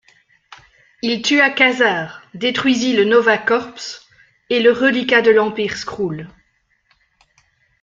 Il tua Quasar, détruisit le Nova Corps et le reliquat de l'empire Skrull.